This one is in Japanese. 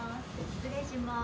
失礼します。